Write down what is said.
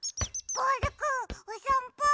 ボールくんおさんぽ？